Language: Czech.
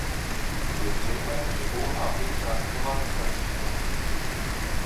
Je zřejmé, že pouhá pěkná slova nestačí.